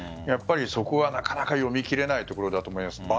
そこはなかなか読みきれないところだと思います。